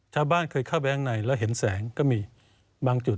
ชาวบ้านเคยเข้าไปข้างในแล้วเห็นแสงก็มีบางจุด